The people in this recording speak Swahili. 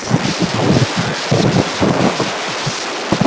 mauaji hayo yalitazamwa kwa upana sana